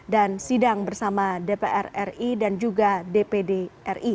dan sidang bersama dpr ri dan juga dpd ri